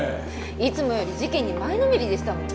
いつもより事件に前のめりでしたもんね。